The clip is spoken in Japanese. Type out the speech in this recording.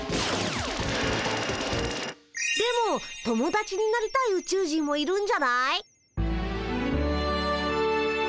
でも友だちになりたいウチュウ人もいるんじゃない？